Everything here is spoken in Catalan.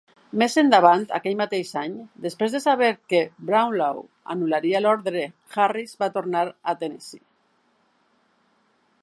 Més endavant, aquell mateix any, després de saber que Brownlow anul·laria l'ordre, Harris va tornar a Tennessee.